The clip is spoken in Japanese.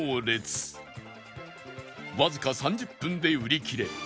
わずか３０分で売り切れ